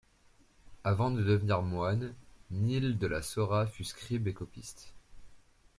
Avant de devenir moine, Nil de la Sora fut scribe et copiste.